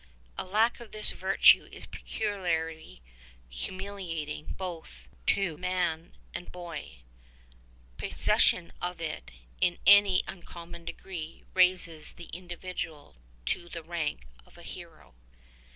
A lack of this virtue is peculiarly humiliating both to man and boy: possession of it in any uncommon degree raises the individual to the rank of a hero.